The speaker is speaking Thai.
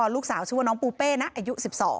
ลูกสาวชื่อว่าน้องปูเป้นะอายุ๑๒